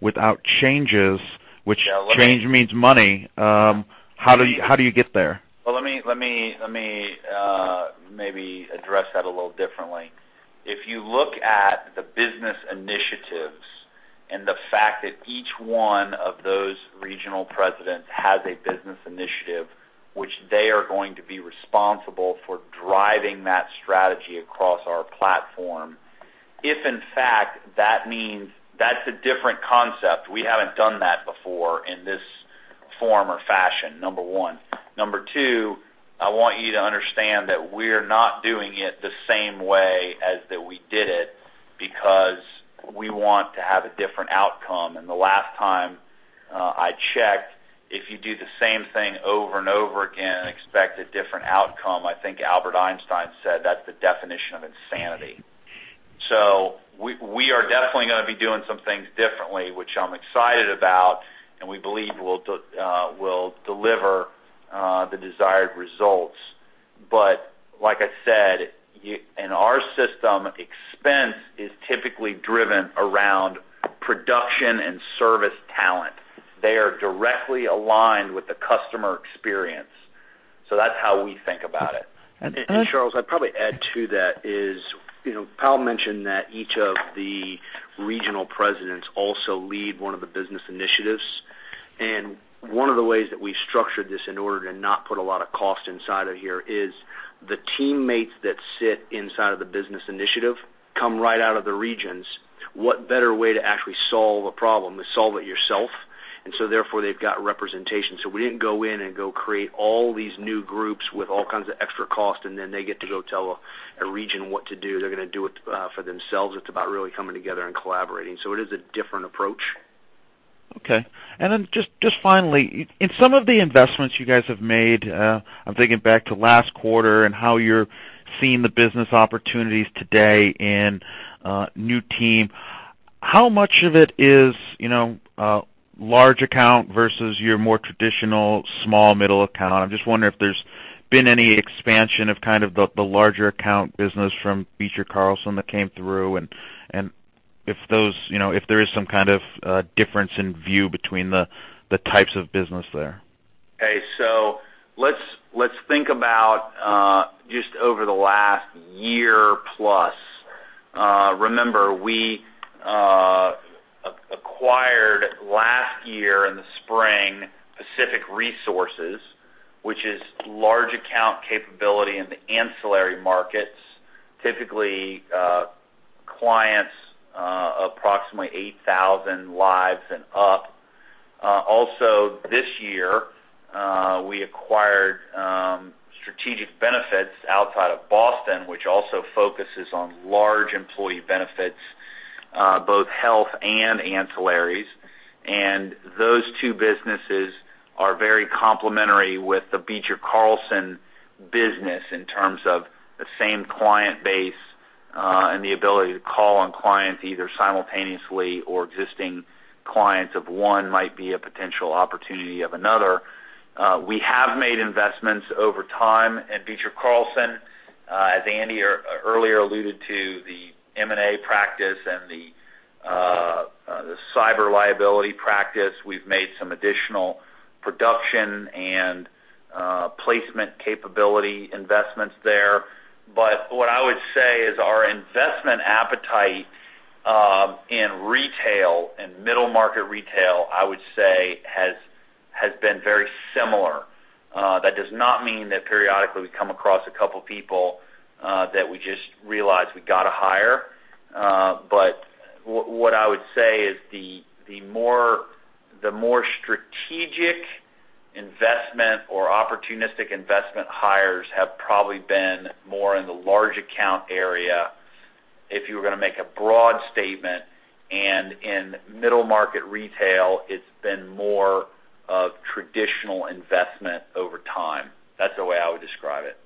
without changes, which change means money, how do you get there? Well, let me maybe address that a little differently. If you look at the business initiatives and the fact that each one of those regional presidents has a business initiative, which they are going to be responsible for driving that strategy across our platform. If in fact that means that's a different concept, we haven't done that before in this form or fashion, number one. Number two, I want you to understand that we're not doing it the same way as that we did it because we want to have a different outcome. The last time I checked, if you do the same thing over and over again and expect a different outcome, I think Albert Einstein said that's the definition of insanity. We are definitely going to be doing some things differently, which I'm excited about, and we believe will deliver the desired results. Like I said, in our system, expense is typically driven around production and service talent. They are directly aligned with the customer experience. That's how we think about it. Charles, I'd probably add to that is, Powell mentioned that each of the regional presidents also lead one of the business initiatives. One of the ways that we've structured this in order to not put a lot of cost inside of here is the teammates that sit inside of the business initiative come right out of the regions. What better way to actually solve a problem than solve it yourself? Therefore, they've got representation. We didn't go in and go create all these new groups with all kinds of extra cost, and then they get to go tell a region what to do. They're going to do it for themselves. It's about really coming together and collaborating. It is a different approach. Okay. Just finally, in some of the investments you guys have made, I'm thinking back to last quarter and how you're seeing the business opportunities today and new team, how much of it is large account versus your more traditional small middle account? I'm just wondering if there's been any expansion of kind of the larger account business from Beecher Carlson that came through, and if there is some kind of difference in view between the types of business there. Okay. Let's think about just over the last year plus. Remember, we acquired last year in the spring, Pacific Resources, which is large account capability in the ancillary markets, typically clients approximately 8,000 lives and up. Also this year, we acquired Strategic Benefits outside of Boston, which also focuses on large employee benefits, both health and ancillaries. Those two businesses are very complementary with the Beecher Carlson business in terms of the same client base and the ability to call on clients either simultaneously or existing clients of one might be a potential opportunity of another. We have made investments over time in Beecher Carlson, as Andy earlier alluded to, the M&A practice and the cyber liability practice. We've made some additional production and placement capability investments there. What I would say is our investment appetite in retail, in middle-market retail, I would say, has been very similar. That does not mean that periodically we come across a couple people that we just realize we got to hire. What I would say is the more strategic investment or opportunistic investment hires have probably been more in the large account area, if you were going to make a broad statement. In middle-market retail, it's been more of traditional investment over time. That's the way I would describe it.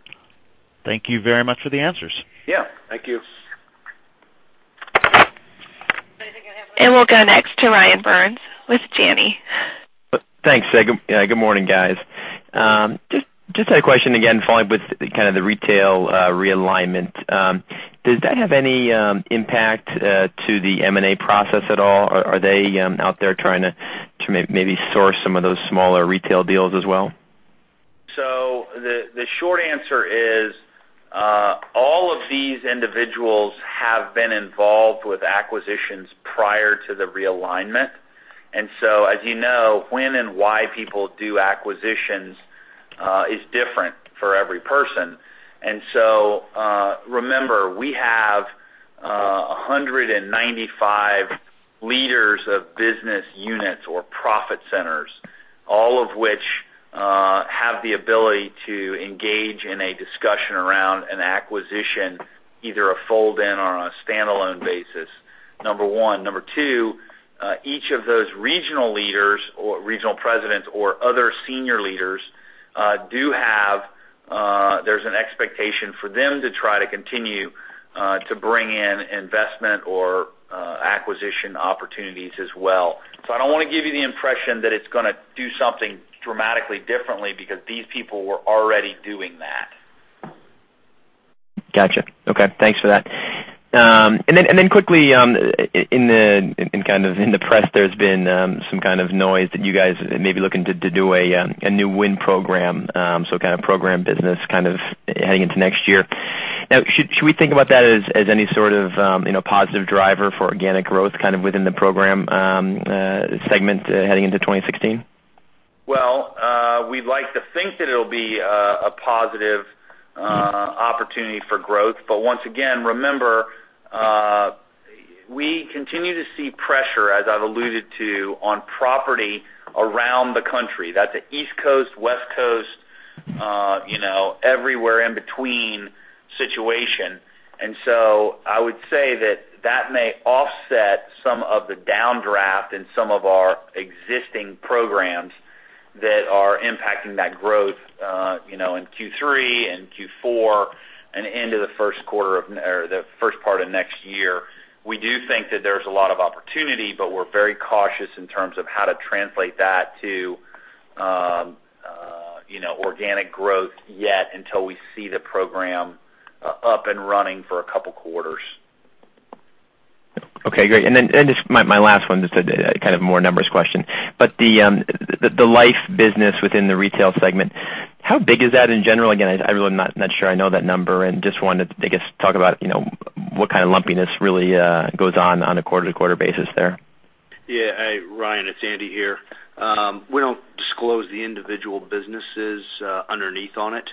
Thank you very much for the answers. Yeah. Thank you. We'll go next to Ryan Burns with Janney. Thanks. Good morning, guys. Just had a question again, following with kind of the retail realignment. Does that have any impact to the M&A process at all? Are they out there trying to maybe source some of those smaller retail deals as well? The short answer is, all of these individuals have been involved with acquisitions prior to the realignment. As you know, when and why people do acquisitions is different for every person. Remember, we have 195 leaders of business units or profit centers, all of which have the ability to engage in a discussion around an acquisition, either a fold-in or on a standalone basis, number one. Number two, each of those regional leaders or regional presidents or other senior leaders, there's an expectation for them to try to continue to bring in investment or acquisition opportunities as well. I don't want to give you the impression that it's going to do something dramatically differently because these people were already doing that. Got you. Okay. Thanks for that. Quickly, in the press, there's been some kind of noise that you guys may be looking to do a new win program, so kind of program business heading into next year. Should we think about that as any sort of positive driver for organic growth, kind of within the program segment heading into 2016? We'd like to think that it'll be a positive opportunity for growth. Once again, remember, we continue to see pressure, as I've alluded to, on property around the country. That's an East Coast, West Coast, everywhere in between situation. I would say that may offset some of the downdraft in some of our existing programs that are impacting that growth in Q3 and Q4 and into the first part of next year. We do think that there's a lot of opportunity, but we're very cautious in terms of how to translate that to organic growth yet until we see the program up and running for a couple quarters. Okay, great. Just my last one, just kind of a more numbers question. The life business within the retail segment, how big is that in general? Again, I really am not sure I know that number, just wanted to, I guess, talk about what kind of lumpiness really goes on a quarter-to-quarter basis there. Yeah. Ryan, it's Andy here. We don't disclose the individual businesses underneath on it.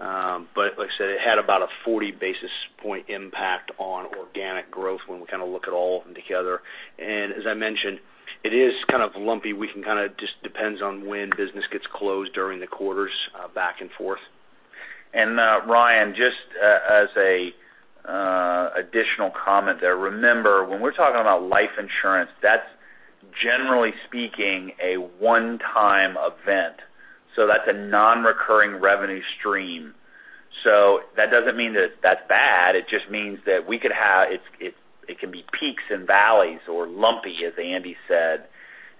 Like I said, it had about a 40 basis point impact on organic growth when we kind of look at all of them together. As I mentioned, it is kind of lumpy. It just depends on when business gets closed during the quarters back and forth. Ryan, just as a additional comment there. Remember, when we're talking about life insurance, that's generally speaking a one-time event, so that's a non-recurring revenue stream. That doesn't mean that that's bad. It just means that it can be peaks and valleys or lumpy, as Andy said.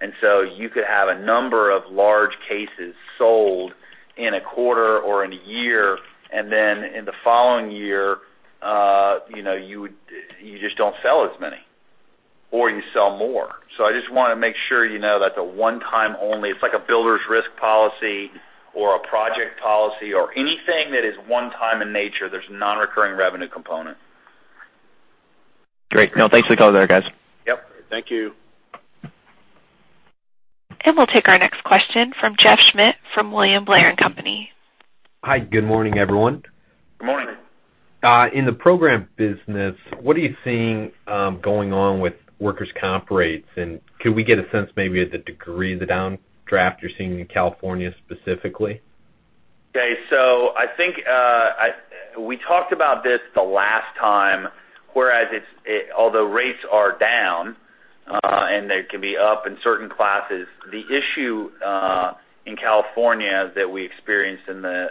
You could have a number of large cases sold in a quarter or in a year, then in the following year, you just don't sell as many, or you sell more. I just want to make sure you know that's a one-time only. It's like a builder's risk policy or a project policy or anything that is one time in nature, there's non-recurring revenue component. Great. No, thanks for the color there, guys. Yep. Thank you. We'll take our next question from Jeff Schmitt from William Blair & Company. Hi. Good morning, everyone. Good morning. In the program business, what are you seeing going on with workers' comp rates, and can we get a sense maybe of the degree of the downdraft you're seeing in California specifically? Okay. I think we talked about this the last time, whereas although rates are down, and they can be up in certain classes, the issue in California that we experienced in the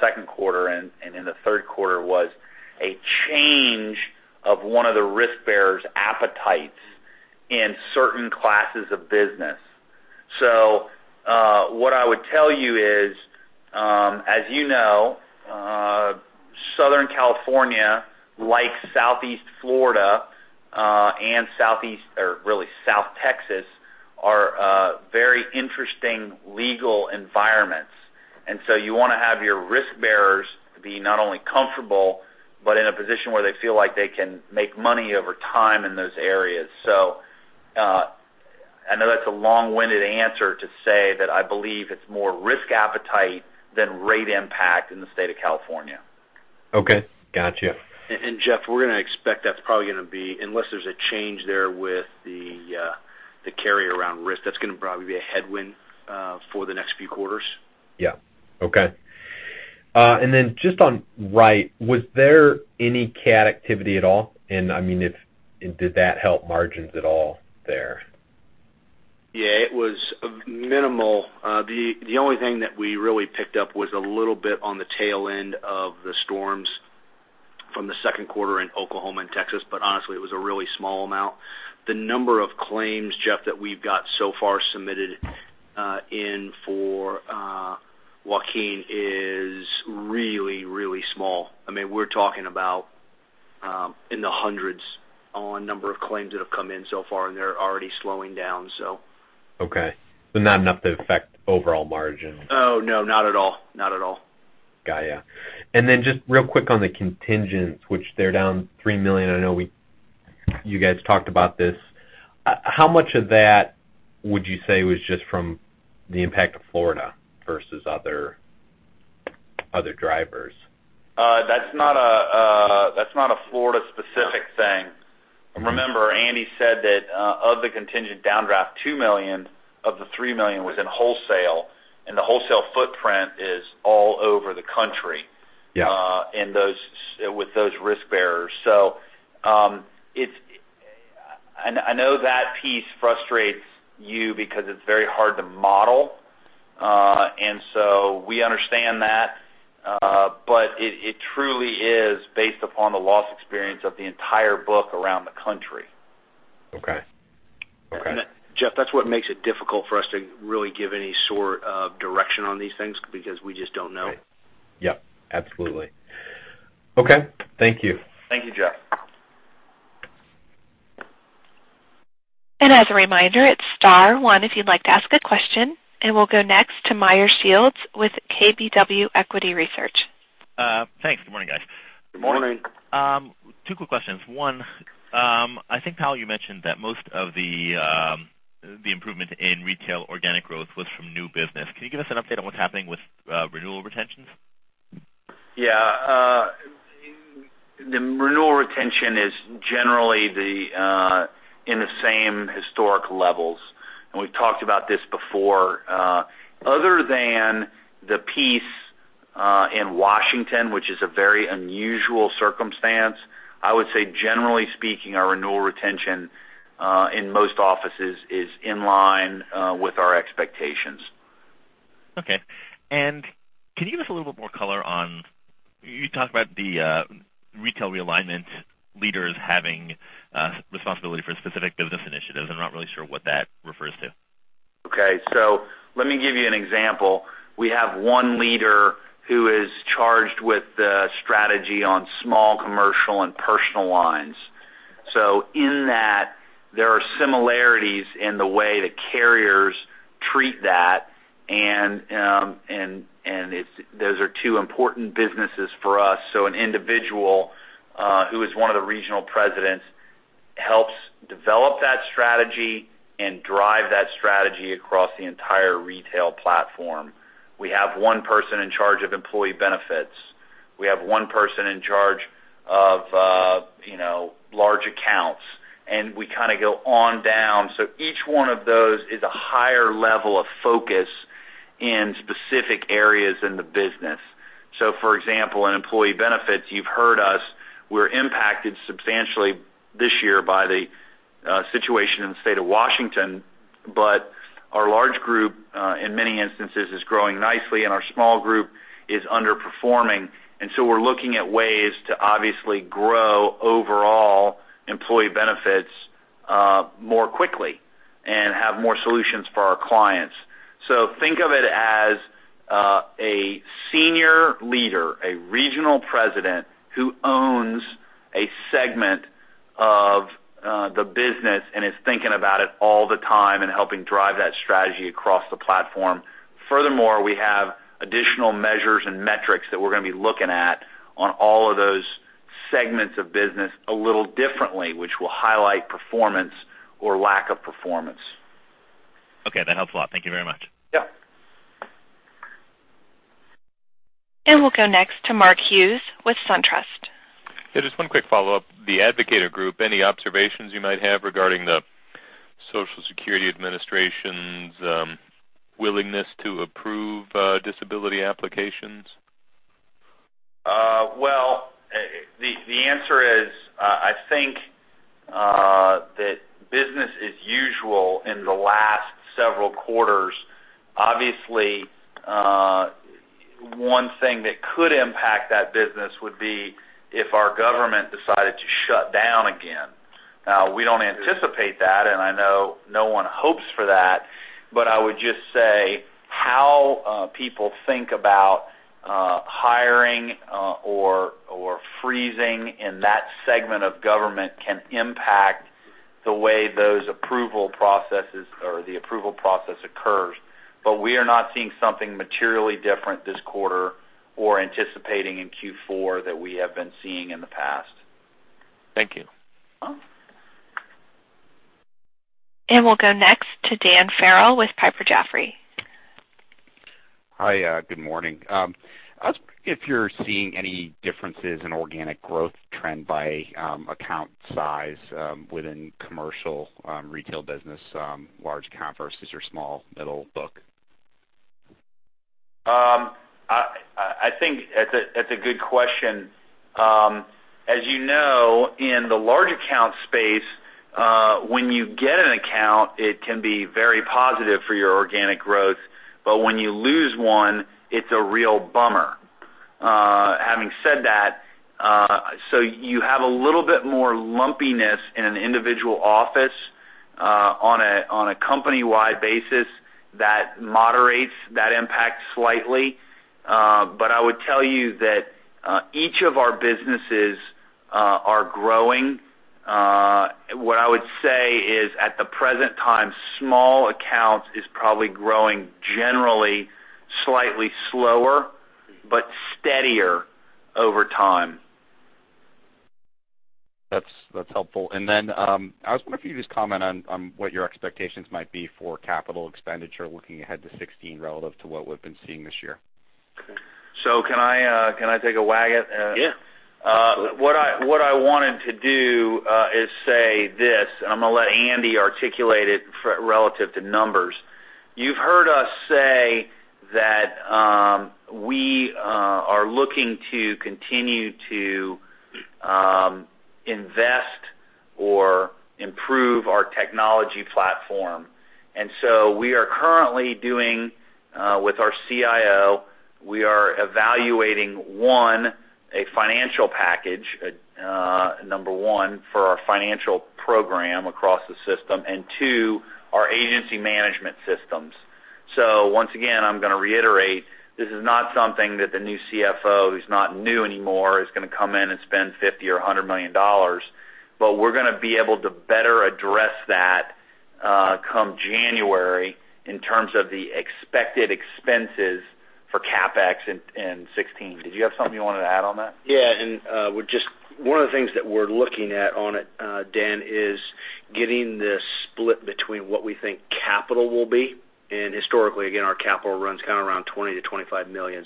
second quarter and in the third quarter was a change of one of the risk bearer's appetites In certain classes of business. What I would tell you is, as you know, Southern California, like Southeast Florida, or really South Texas, are very interesting legal environments. You want to have your risk-bearers be not only comfortable, but in a position where they feel like they can make money over time in those areas. I know that's a long-winded answer to say that I believe it's more risk appetite than rate impact in the state of California. Okay. Got you. Jeff, we're going to expect that's probably going to be, unless there's a change there with the carrier on risk, that's going to probably be a headwind for the next few quarters. Yeah. Okay. Then just on Wright, was there any cat activity at all? I mean, did that help margins at all there? Yeah, it was minimal. The only thing that we really picked up was a little bit on the tail end of the storms from the second quarter in Oklahoma and Texas, honestly, it was a really small amount. The number of claims, Jeff, that we've got so far submitted in for Joaquin is really, really small. I mean, we're talking about in the hundreds on number of claims that have come in so far, they're already slowing down. Okay. Not enough to affect overall margin? Oh, no. Not at all. Got you. Then just real quick on the contingents, which they're down $3 million, I know you guys talked about this. How much of that would you say was just from the impact of Florida versus other drivers? That's not a Florida specific thing. Okay. Remember, Andy said that of the contingent downdraft, $2 million of the $3 million was in wholesale, the wholesale footprint is all over the country- Yeah with those risk-bearers. I know that piece frustrates you because it's very hard to model. We understand that, but it truly is based upon the loss experience of the entire book around the country. Okay. Jeff, that's what makes it difficult for us to really give any sort of direction on these things, because we just don't know. Yep, absolutely. Okay. Thank you. Thank you, Jeff. As a reminder, it's star one if you'd like to ask a question. We'll go next to Meyer Shields with KBW Equity Research. Thanks. Good morning, guys. Good morning. Good morning. Two quick questions. One, I think, Powell, you mentioned that most of the improvement in retail organic growth was from new business. Can you give us an update on what's happening with renewal retentions? Yeah. The renewal retention is generally in the same historic levels. We've talked about this before. Other than the piece in Washington, which is a very unusual circumstance, I would say, generally speaking, our renewal retention in most offices is in line with our expectations. Okay. Can you give us a little bit more color on, you talked about the retail realignment leaders having responsibility for specific business initiatives. I'm not really sure what that refers to. Okay. Let me give you an example. We have one leader who is charged with the strategy on small commercial and personal lines. In that, there are similarities in the way the carriers treat that, and those are two important businesses for us. An individual who is one of the regional presidents helps develop that strategy and drive that strategy across the entire retail platform. We have one person in charge of employee benefits. We have one person in charge of large accounts. We kind of go on down. Each one of those is a higher level of focus in specific areas in the business. For example, in employee benefits, you've heard us, we're impacted substantially this year by the situation in the state of Washington. Our large group, in many instances, is growing nicely, and our small group is underperforming. We're looking at ways to obviously grow overall employee benefits more quickly and have more solutions for our clients. Think of it as a senior leader, a regional president who owns a segment of the business and is thinking about it all the time and helping drive that strategy across the platform. Furthermore, we have additional measures and metrics that we're going to be looking at on all of those segments of business a little differently, which will highlight performance or lack of performance. Okay, that helps a lot. Thank you very much. Yep. We'll go next to Mark Hughes with SunTrust. Just one quick follow-up. The Advocator Group, any observations you might have regarding the Social Security Administration's willingness to approve disability applications? Well, the answer is, I think that business is usual in the last several quarters. One thing that could impact that business would be if our government decided to shut down again. We don't anticipate that, and I know no one hopes for that, but I would just say how people think about hiring or freezing in that segment of government can impact the way those approval processes or the approval process occurs. We are not seeing something materially different this quarter or anticipating in Q4 that we have been seeing in the past. Thank you. We'll go next to Dan Farrell with Piper Jaffray. Hi. Good morning. I was wondering if you're seeing any differences in organic growth trend by account size within commercial retail business, large cap versus your small, middle book. I think that's a good question. As you know, in the large account space, when you get an account, it can be very positive for your organic growth. But when you lose one, it's a real bummer. Having said that, you have a little bit more lumpiness in an individual office. On a company-wide basis, that moderates that impact slightly. I would tell you that each of our businesses are growing. What I would say is, at the present time, small accounts is probably growing generally slightly slower but steadier over time. That's helpful. I was wondering if you could just comment on what your expectations might be for capital expenditure looking ahead to 2016 relative to what we've been seeing this year. Can I take a wag? Yeah. What I wanted to do is say this, and I'm going to let Andy articulate it relative to numbers. You've heard us say that we are looking to continue to invest or improve our technology platform. We are currently doing with our CIO, we are evaluating, one, a financial package, number one, for our financial program across the system, and two, our agency management systems. Once again, I'm going to reiterate, this is not something that the new CFO, who's not new anymore, is going to come in and spend $50 million or $100 million, but we're going to be able to better address that come January in terms of the expected expenses for CapEx in 2016. Did you have something you wanted to add on that? Yeah. One of the things that we're looking at on it, Dan, is getting the split between what we think capital will be. Historically, again, our capital runs kind of around $20 million-$25 million.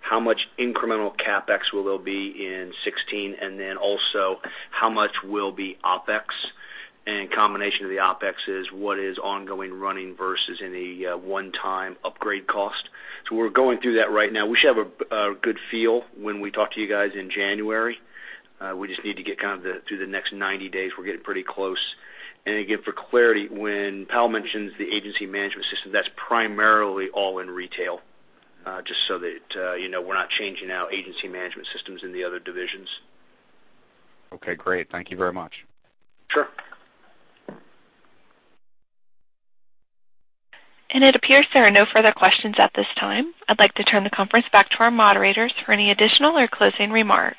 How much incremental CapEx will there be in 2016? Also, how much will be OpEx? Combination of the OpEx is what is ongoing running versus any one-time upgrade cost. We're going through that right now. We should have a good feel when we talk to you guys in January. We just need to get kind of through the next 90 days. We're getting pretty close. Again, for clarity, when Powell mentions the agency management system, that's primarily all in retail. Just so that you know we're not changing our agency management systems in the other divisions. Okay, great. Thank you very much. Sure. It appears there are no further questions at this time. I'd like to turn the conference back to our moderators for any additional or closing remarks.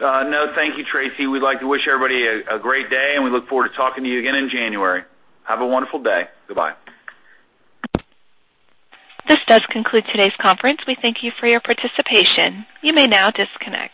No, thank you, Tracy. We'd like to wish everybody a great day, and we look forward to talking to you again in January. Have a wonderful day. Goodbye. This does conclude today's conference. We thank you for your participation. You may now disconnect.